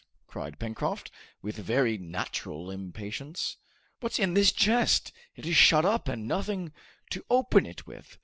cried Pencroft, with very natural impatience. "What's in this chest? It is shut up, and nothing to open it with!